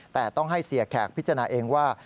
แต่ต้องให้เสียแขกพิจารณาเองว่า